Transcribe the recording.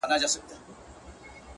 • هسي نه راڅخه ورکه سي دا لاره,